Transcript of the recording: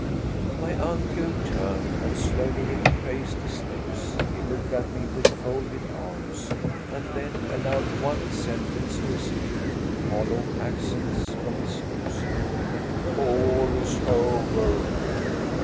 My uncle turned and slowly retraced his steps. He looked at me with folded arms, and then allowed one sentence to escape, in hollow accents, from his lips: "All is over."